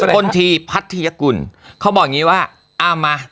พลทีพัทยกุลเขาบอกอย่างงี้ว่าเอามา